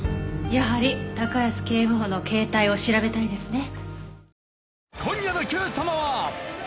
やはり高安警部補の携帯を調べたいですね。